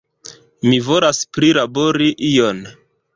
Mi volas prilabori ion!